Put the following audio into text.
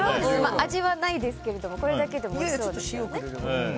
味はないですけどこれだけでもおいしそうですよね。